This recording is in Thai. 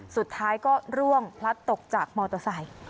สุดท้ายก็ร่วงพลัดตกจากมอเตอร์ไซค์